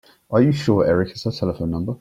Are you sure Erik has our telephone number?